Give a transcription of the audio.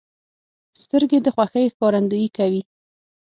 سترګې د خوښۍ ښکارندویي کوي